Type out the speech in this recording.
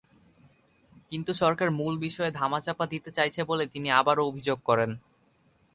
কিন্তু সরকার মূল বিষয় ধামাচাপা দিতে চাইছে বলে তিনি আবারও অভিযোগ করেন।